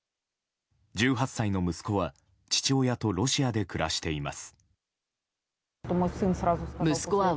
１８歳の息子は父親とロシアで暮らしています。